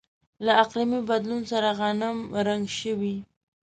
له اقلیمي بدلون سره غنمرنګ شوي.